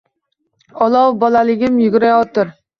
Olov bolaligim yugurayotir.